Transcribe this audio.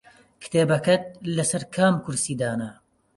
کتێبەکەت لەسەر کام کورسی دانا؟